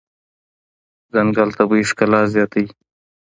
ځنګل طبیعي ښکلا زیاتوي.